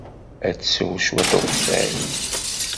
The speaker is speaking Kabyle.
Ad tsew cwiṭ n ukeffay.